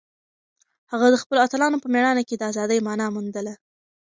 هغه د خپلو اتلانو په مېړانه کې د ازادۍ مانا موندله.